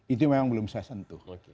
itu memang belum saya sentuh